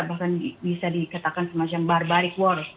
bahkan bisa dikatakan semacam barbarik war